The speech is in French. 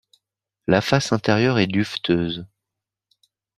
La face inférieure est duveteuse.